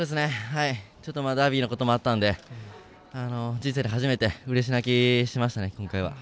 ダービーのこともあったので、人生で初めてうれし泣きしましたね、今回は。